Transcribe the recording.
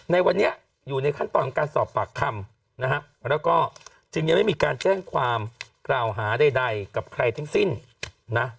ในวันนี้อยู่ในขั้นตอนของการสอบปากคำนะฮะแล้วก็จึงยังไม่มีการแจ้งความกล่าวหาใดกับใครทั้งสิ้นนะ